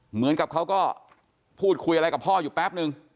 เหมือนกับเขาก็พูดคุยอะไรกับพ่ออยู่แป๊บนึง